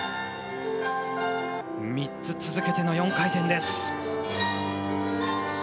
３つ続けての４回転です。